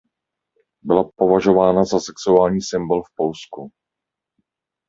Byla považována za sexuální symbol v Polsku.